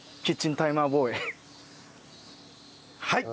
はい！